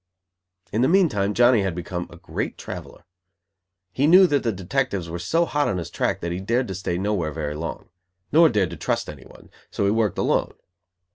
In the meantime Johnny had become a great traveller. He knew that the detectives were so hot on his track that he dared to stay nowhere very long; nor dared to trust anyone: so he worked alone.